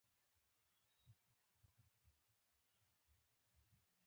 له روایتونو څخه ور اوړي او پر انساني فطرت خبرې کوي.